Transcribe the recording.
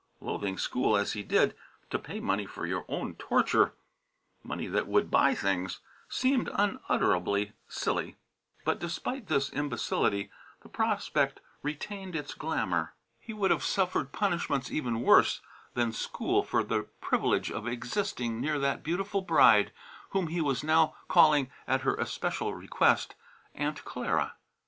Loathing school as he did, to pay money for your own torture money that would buy things seemed unutterably silly. But despite this inbecility the prospect retained its glamour. He would have suffered punishments even worse than school for the privilege of existing near that beautiful bride, whom he was now calling, at her especial request, "Aunt Clara."